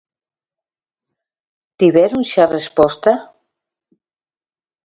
Tiveron xa resposta?